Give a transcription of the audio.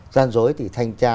gian dối thì thanh tra